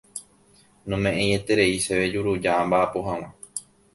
Nome'ẽieterei chéve juruja amba'apo hag̃ua.